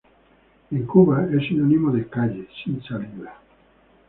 En Cuba, es sinónimo de calle sin salida.